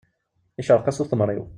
Iceṛeq-as utemṛiw.